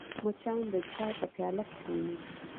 مچان د چای په پیاله کښېني